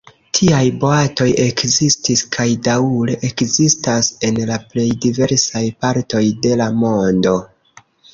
Tiaj boatoj ekzistis kaj daŭre ekzistas en la plej diversaj partoj de la mondo.